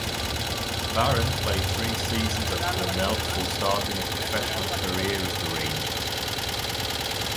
Barron played three seasons at Cornell before starting his professional career with the Rangers.